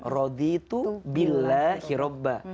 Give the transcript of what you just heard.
rodi tu billahi robba